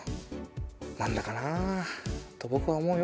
なんだかなぁとぼくは思うよ。